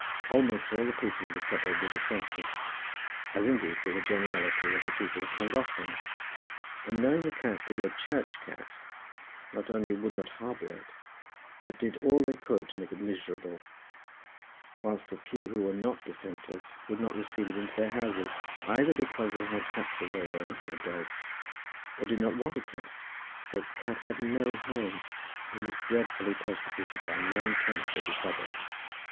Almost all the people of the suburb were dissenters, as indeed were the generality of the people of Llangollen, and knowing the cat to be a church cat, not only would not harbour it, but did all they could to make it miserable; whilst the few who were not dissenters, would not receive it into their houses, either because they had cats of their own, or dogs, or did not want a cat, so that the cat had no home, and was dreadfully persecuted by nine tenths of the suburb.